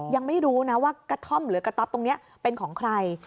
ยังไม่รู้นะว่ากระท่อมหรือกระต๊อปตรงนี้เป็นของใคร